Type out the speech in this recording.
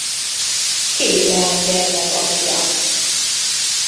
Két leánygyermek apja.